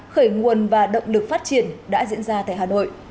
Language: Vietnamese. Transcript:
khởi nguồn và động lực phát triển đã diễn ra tại hà nội